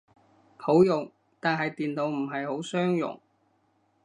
好用，但係電腦唔係好相容